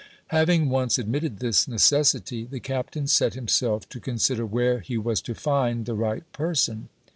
Having once admitted this necessity, the Captain set himself to consider where he was to find the right person.